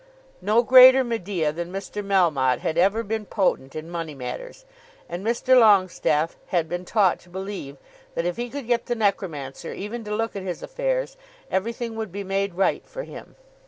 No greater Medea than Mr. Melmotte had ever been potent in money matters, and Mr. Longestaffe had been taught to believe that if he could get the necromancer even to look at his affairs everything would be made right for him.